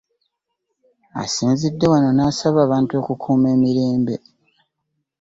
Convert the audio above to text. Asinzidde wano n'asaba abantu okukuuma emirembe